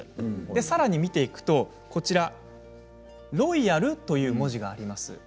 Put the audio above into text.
さらに見ていくとＲＯＹＡＬという文字があります。